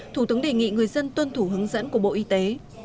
thủ tướng đề nghị người dân tuân thủ hướng dẫn của bộ y tế